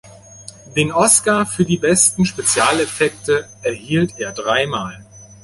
Den Oscar für die Besten Spezialeffekte erhielt er drei Mal.